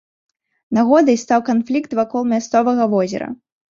Нагодай стаў канфлікт вакол мясцовага возера.